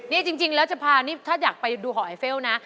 นี่จริงแล้วจะพานี่ถ้าอยากไปดูหอไอเฟลนะ